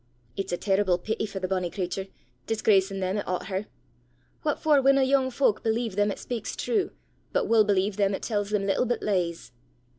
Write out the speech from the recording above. It's a terrible pity for the bonnie cratur, disgracin' them 'at aucht her! What for winna yoong fowk believe them 'at speyks true, but wull believe them 'at tells them little but lees!